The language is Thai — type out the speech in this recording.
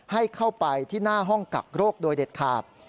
ให้เข้าไปที่หน้าห้องกักโรคโดยเด็ดขาด